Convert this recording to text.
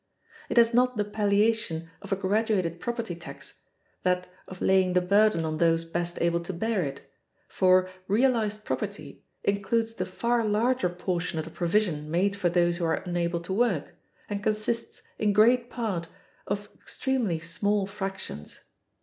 It has not the palliation of a graduated property tax, that of laying the burden on those best able to bear it; for "realized property" includes the far larger portion of the provision made for those who are unable to work, and consists, in great part, of extremely small fractions.